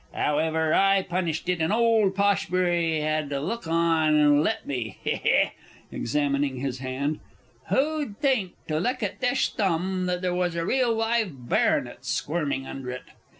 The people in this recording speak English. However, I punished it, and old Poshbury had to look on and let me. He he! (Examining his hand.) Who'd think, to look at thish thumb, that there was a real live Baronet squirmin' under it.